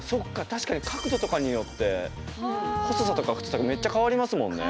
確かに角度とかによって細さとか太さがめっちゃ変わりますもんね。